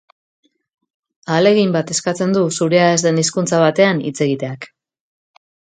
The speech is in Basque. Ahalegin bat eskatzen du zurea ez den hizkuntza batean hitz egiteak.